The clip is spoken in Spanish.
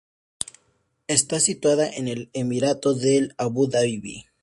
Está situada en el emirato de Abu Dhabi.